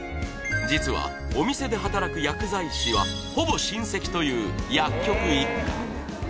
実はお店で働く薬剤師はほぼ親戚という薬局一家。